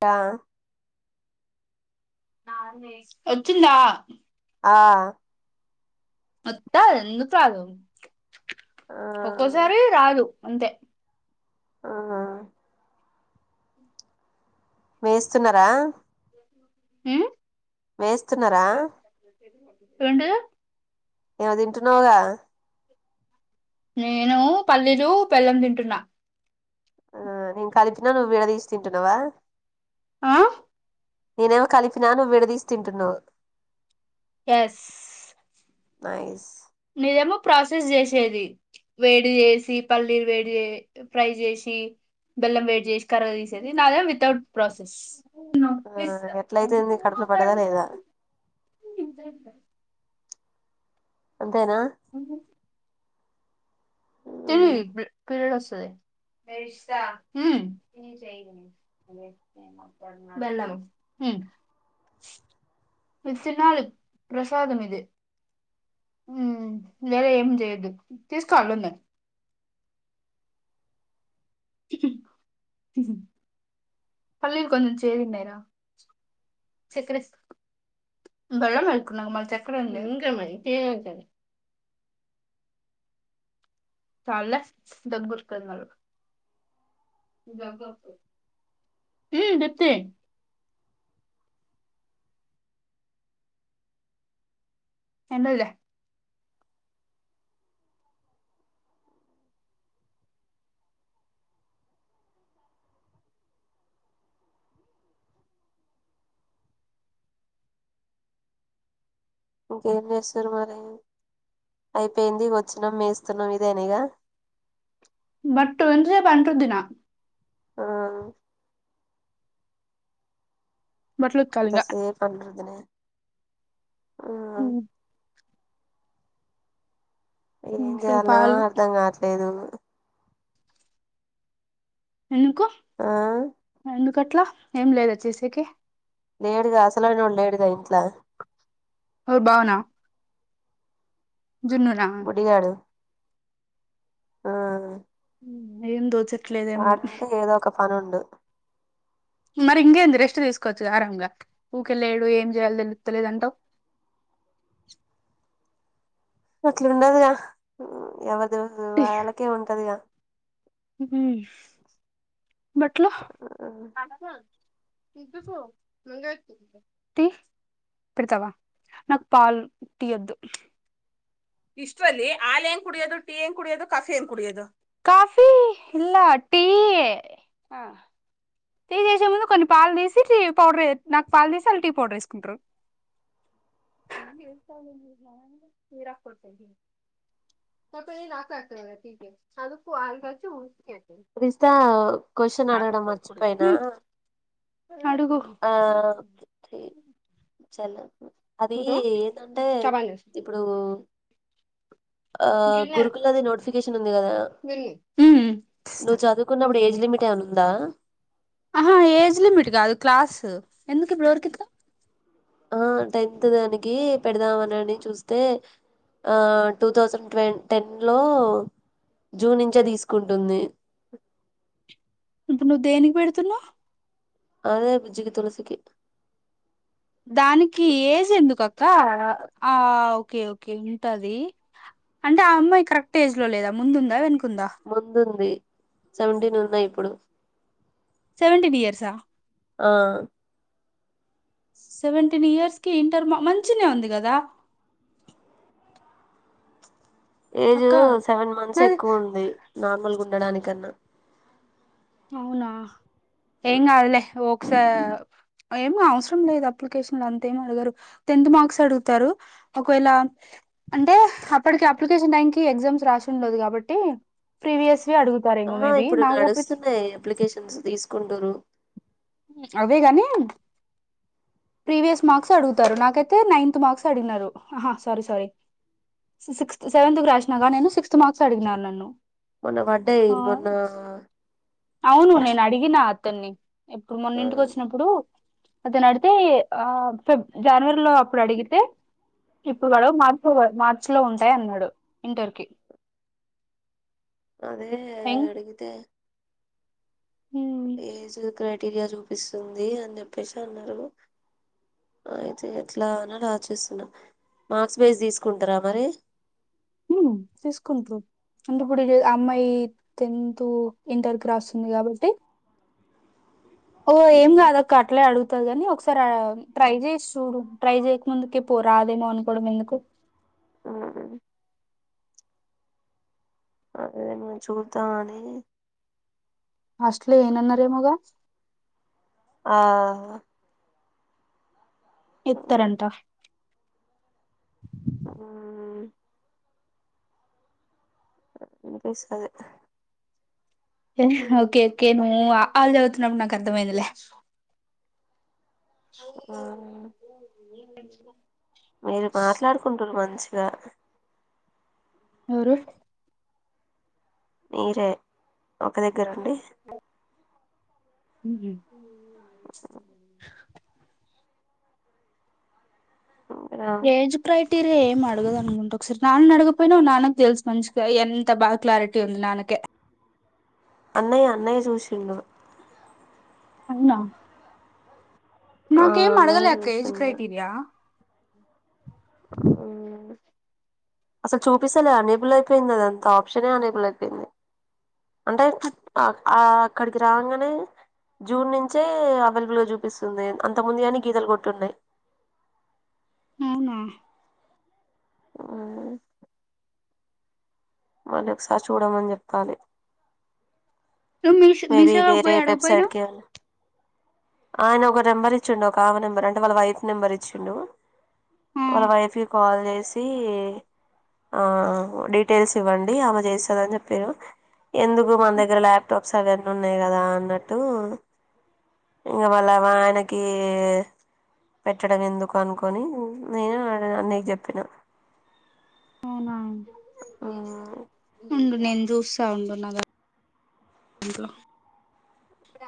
డా వచ్చిందా ఆ వత్తాది ఎందుకురాదు, ఆ ఒక్కోసారి రాదు. అంతే ఆహ వేస్తున్నారా? హ్మ్ వేస్తున్నారా? ఏంటిది ఏమో తింటున్నావుగా నేను పల్లీలు, బెల్లంతింటున్నా. ఆ నేను కలిపినా నువ్వు విడదీసి తింటున్నావా. ఆ నేనేమో కలిపినా నువ్వు విడదీస్ తింటున్నావు. ఎస్ నైస్ నీదేమో ప్రాసెస్ చేసేది. వేడి చేసి పల్లీలు వేడి చే ఫ్రై చేసి బెల్లం వేడి చేసి కరగతీసేది నాదేమొ వితౌట్ ప్రాసెస్ ఆ ఎట్లయితేంది కడుపుల పడ్డదా లేదా అంతేనా తిల్లి ఉమ్, పి పీరియడ్ వస్తది. నెస్తా ఉమ్ బెల్లం ఉ ఉ [unintelligible] ఇది తినాలి ప్రసాదం ఇది హుమ్ వేరేది ఏం చేయొద్దు తీసుకో అల్లా ఉన్నయ్ పల్లీలు కొంచెం చేదున్నాయి రా చెక్కర ఏస్కో బెల్లం వేసుకున్నాక మల్ల చెక్కర ఎంది ఇంకేమై చేదు ఉంటది చాల్లే దగ్గు వస్తది మల్ల దగ్గస్తది ఉ జెప్తే ఎన్రోజులే ఇంకేం చేస్తురు మరి అయిపోయింది వచ్చినాం మేస్తున్నాం ఇదే నిగ బట్టు ఎంతసేపు అని రుద్దిన ఆ బట్టలు ఉతకాలి ఇంగ ఇంతసేపు అని రుద్దిన ఆ ఏం ఇంట్లో చేయాన్న పాలు అర్ధం కావట్లేదు ఎందుకు ఆ ఎందుకట్ల ఏం లేద చేసేకి లేడుగా అసలైనోడు లేడుగా ఇంట్ల ఎవరు బావ న జున్ను నా బుడ్డిగాడు ఆ ఏం దోచది అడుంటే ఏదో ఒక పనుండు మరి ఇంకేంది రెస్ట్ తీసుకోవచ్చుగా ఆరాంగా ఊకె లేడు ఏం చేయాల తెలుత్త లేదంటవు [inaudible] గట్లుండ దిరా ఎవరిది వాళ్ళకే ఉంటదిగా ఉ బట్ల తి పెడుతవా నాకు పాల్ టీయద్దు ఇష్టు వల్లి ఆలేం కుడియదు టీ ఎం కుడియదు కాఫీ ఏం కుడిఏదో కాఫీ ఇల్ల [inaudible] ఆ [inaudible] కొన్ని పాలు తీసి టీ పౌడర్ నాకు పాలు తీసి ఆల్ టీ పౌడర్ వేసుకుంటరూ అన్ని ఏస్కోవాలె మీరా కొట్టు [unintelligible] టీకే చదుకు ఆల్గాచ్చు ఉకె క్రిస్తా క్వశ్చన్ అడగడం మర్చిపోయినా అడుగు ఆ టీ చల్లకు అది ఏదంటే ఇప్పుడు ఆ గురుకులది నోటిఫికేషన్ ఉంది కదా నువ్వు చదువుకున్నప్పుడు ఏజ్ లిమిట్ ఏమనా ఉందా ఆహా ఏజ్ లిమిట్ కాదు క్లాస్ ఎందుకు ఇప్పుడు ఎవరికిత్త ఆ టెన్త్ దానికి పెడదామనని చూస్తే ఆ టూ థౌసండ్ ట్వ టెన్ లో జూన్ నుంచే తీసుకుంటుంది ఇప్పుడు నువ్వు దేనికి పెడుతున్నావు అదే బుజ్జికి తులసికి దానికి ఏజ్ ఎందుకక్క ఆ ఓకే ఓకే ఉంటాది అంటే ఆ అమ్మాయి కరెక్ట్ ఏజ్ లో లేదా ముందుందా వెనుక ముందుంది సెవెంటీన్ ఉన్నాయి ఇప్పుడు సెవెన్టీన్ ఇయర్సా ఆ సెవెంటీన్ ఇయర్స్ కి ఇంటర్ మంచినే ఉంది కదా ఏజ్ అక్క సెవెన్ మంత్స్ నాది ఎక్కువ ఉంది నార్మల్గా ఉండడానికన్నా అవునా ఏం కదూ లే ఒక్కసా ఏమ అవసరం లేదు అప్లికేషన్ లో అంత ఏం అడగరు టెన్త్ మార్క్స్ అడుగుతారు ఒకవేళ అంటే అప్పటికి అప్లికేషన్ టైం కి ఎగ్జామ్స్ రాసిండదు కాబట్టి ప్రీవియస్ అడుగుతారు ఇంగో ఆహా మేబి ఇప్పుడు నాగప్రీ నడుస్తున్నాయి అప్లికేషన్స్ తీసుకుంటరు అవేగాని ప్రీవియస్ మార్క్స్ అడుగుతారు నాకైతే నైన్త్ మార్క్స్ అడిగినారు ఆహా సారీ సారీ సిక్స్త్ సెవెంత్ కు రాసినాక నేను సిక్స్త్ మార్క్స్ అడిగినాను నన్ను మొన్న ఆ పడ్డాయిమొన్న అవును నేను అడిగిన అతన్ని ఎప్పుడు మొన్న ఆ ఇంటికి వచ్చినప్పుడు అతను అడితే ఆ ఫిబ్ జనవరిలో అప్పుడు అడిగితే ఇప్పుడు పడవు మార్చి మార్చి లో ఉంటాయి అన్నాడు ఇంటర్ కి అదే ఎం అడిగితే ఏజ్ క్రైటీరియా చూపిస్తుంది అని చెప్పేసి అన్నారు. అయితే ఎట్లా అని ఆచిస్తున్నా మార్క్స్ బేస్ తీసుకుంటారా మరి ఉమ్ తీసుకుంట్రు అంటే ఇప్పుడు అమ్మాయి టెన్త్ ఇంటర్ కు రాస్తుంది కాబట్టి ఓ ఏం కాదుక్క అట్లే అడుగుతది గాని ఒకసారి ట్రై చేసి చూడు ట్రై చేయక ముందుక పో రాదేమో అనుకోవడం ఎందుకు అవును అదే మరీ చూద్దామని హాస్ట్ లో ఇయ్యన్నారేమో గా ఆ ఇత్తరంట ఉం వినిపిస్తది ఓకే ఓకే నువ్వు అ ఆ లు చదువుతున్నప్పుడు నాకు అర్థమైందిలే మ్మ్ [inaudible] మీరు మాట్లాడుకుంటురు మంచిగా ఎవరు మీరే ఒక దగ్గర ఉండి ఉహు ఇంకా ఏజ్ ప్రైవ్ రే ఏం అడగదు అనుకుంట ఒకసారి నాన్న అడగపోయినావు నాన్నకు తెలుసు మంచిగా ఎంత బాగా క్లారిటీ ఉంది నాన్నకే అన్నయ్య అన్నయ్య చూసిండు అవునా ఆ నాకేం అన్నయ్య అడగలే అక్క ఏజ్ చూసిండు క్రైటీరియా మ్మ్ అసలు చూపిస్తాలే అనేబుల్ అయిపోయింది అది అంత ఆప్షనే అనేబుల్ అయిపోయింది. అంటే అ అక్కడికి రాంగానే జూన్ నుంచే అవైలబుల్ గా చూపిస్తుంది అంత ముందు యన్ని గీతలు కొట్టిన్నాయి. ఉహూ ఆ మళ్ళీ ఒకసారి చూడమని చెప్పాలి నువ్వు మీ మే బి మీసేవకు వేరే పోయి అడగపోయినవ్ వేబ్సైట్కి ఆయన ఒక నెంబర్ ఇచ్చిండు ఒక ఆమె నెంబర్ అంటే వాళ్ళ వైఫ్ నెంబర్ ఇచ్చిండు. ఆ వాళ్ళ వైఫ్ కి కాల్ చేసి ఆ డీటెయిల్స్ ఇవ్వండి అమె చేస్తాదని చెపిన్రు ఎందుకు మన దగ్గర ల్యాప్ టాప్స్ అవన్నీ ఉన్నాయి కదా అన్నట్టు ఇంగ వాళ్ళ వైనకి పెట్టడం ఎందుకు అనుకొని నేను ఆ అన్నయ్య కి చెప్పినా అవునా ఆమ్ ఉండు నేను చూస్తా ఉండు నా దాంట్లో ఇప్పుడ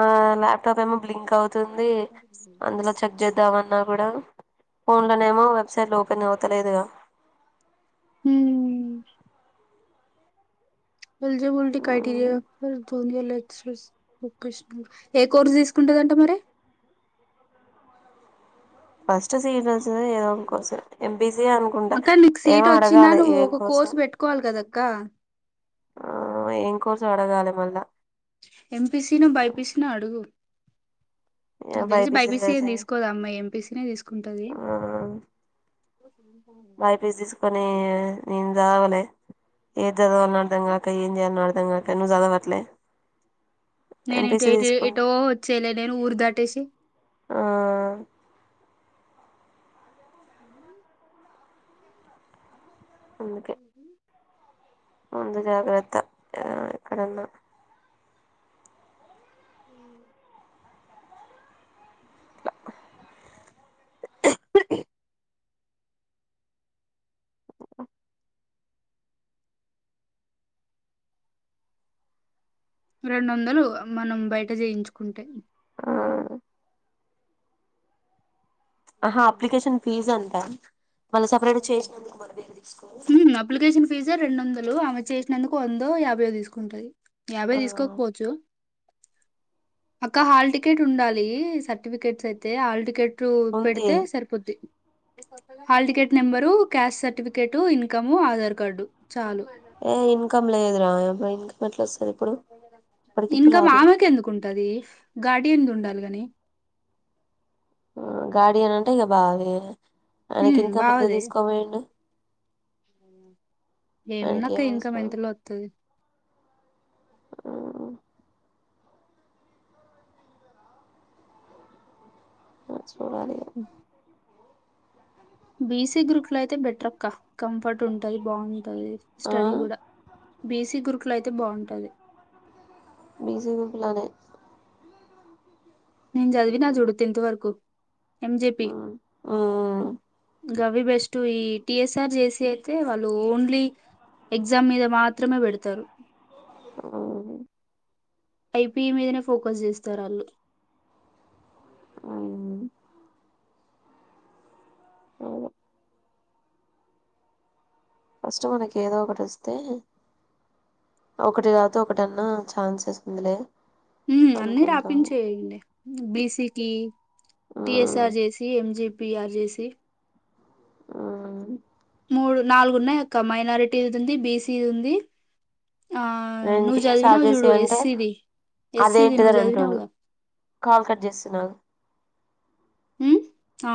ఆ ల్యాప్ టాప్ ఏమో బ్లింక్ అవుతుంది అందులో చెక్ చేద్దామన్నా కూడా ఫోన్ లోనేమో వెబ్సైట్ ఓపెన్ అవతలేదుగా హుమ్ ఎలిజిబిలిటీ క్రైటెరియా [unintelligible] ఏ కోర్సు తీసుకుంట దంట మరి ఫస్ట్ సిఈటీస్ ఏదో ఒక కోర్సు ఎంపీసీఏ అనుకుంటా అక్క నీకు ఏమో సీట్ వచ్చిందా అడగాలి నువ్వు ఏం ఒక కోర్సో కోర్స్ పెట్టుకోవాలి కదా అక్క ఆ ఏం కోర్స్ అడగాలే మళ్ళా ఎంపీసీ నో బైపీసి నో అడుగు నాకు తెలిసి బైపీసీ తీసుకోదు ఆ అమ్మాయి ఎంపీసీనే తీసుకుంటది ఓకే అండి బైపిసి తీసుకొని నేను చావాలే ఏది చదవాలని అర్థం కాక ఏం చేయాలని అర్థం కాక నువ్వు చదవట్లే నేను ఎంపీసీ ఏ ఏటో తీసుకుంటా వచ్చేలే నేను ఊరు దాటేసి ఆ అందుకే ఉహుమ్ ముందు జాగ్రత్త ఆ ఎక్కడున్నా అమ్ రెండు వందలు మనం బయట చేయించుకుంటే ఆ ఆహా అప్లికేషన్ ఫీజ్ ఎంతా తీసుకోరు ఉహుమ్ అప్లికషన్ ఫీ జు రెండు వందలు అమె చేసినందుకు వందో యాభై తీసుకుంటది యాభై ఆ తీసుకోకపోవచ్చు అక్క హాల్ టికెట్ ఉండాలి సర్టిఫికెట్స్ అయితే హాల్ టికెట్ టూ ఉంది పెడితే సరిపోది hall ticket number caste certificate income Aadhaar card చాలు ఏ ఇన్కమ్ లేదు రా ఇన్కమ్ ఎట్లా వస్తాది ఇన్కమ్ ఆమెకు ఎందుకు ఉంటది గార్డియన్ ది ఉండాలి గాని గార్డియన్ అంటే ఇక బావాదే ఆయనకి ఉమ్ ఇన్కమ్ ఎందుకు బావదే తీసుకోబోయిండు ఏముంది ఆయనకి ఏం అక్క ఇంకా అవసరం ఎంతలో వస్తది ఆ ఆ చూడాలి ఇగా బీయిసీ గురుకుల్ అయితే బెటర్ అక్క కంఫర్ట్ ఉంటది బాగుంటది ఆ స్టడీ కూడా బేసీ గురుకులు అయితే బాగుంటది బీయిసి గురుకులోనే నేను చదివినా చూడు టెన్త్ వరకు ఎంజెపి గవి బెస్ట్ ఈ టిఎస్ఆర్ జేసి అయితే వాళ్ళు ఓన్లీ ఎగ్జామ్ మీద మాత్రమే పెడతారు ఆమ్ ఐపీ మీదనే ఫోకస్ చేస్తారు వాళ్ళు అమ్ అవును ఫస్ట్ మనకి ఏదో ఒకటి వస్తే ఒకటి గాతో ఒకటన్నా ఛాన్స్ ఇస్తుందిలే హు అన్ని రాపించేయండి. బిసికి టిఎస్ఆర్ జేసి ఎమ్జిపిఆర్ జేసి అవున్ మూడు నాలుగు ఉన్నాయక్క, మైనారిటీది ఉంది, బీసీది ఉంది. ఆ నేను నువ్ టిఎస్ జదివినవ్ ఆర్జేసి జూడు అంటే ఏసిది ఏసిది నువ్ అదేంటిదని అంటుండు జదివినవుగా కాల్ కాడ్ జేసున్నావ్ ఉహ్ ఆ